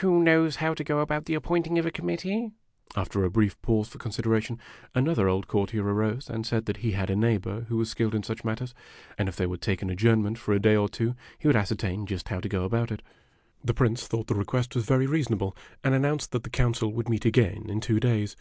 Who knows how to go about the appointing of a committee ?' After a brief pause for consideration, another old courtier arose and said that he had a neighbor who was skilled in such matters, O and if they would take an adjournment for a day or two he would ascertain just how to go about it. The Prince thought the request was very reasonable, and an nounced that the council would meet again in two days.